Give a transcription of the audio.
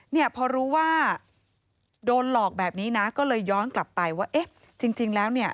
เนี่ยพอรู้ว่าโดนหลอกแบบนี้นะก็เลยย้อนกลับไปว่าเอ๊ะจริงแล้วเนี่ย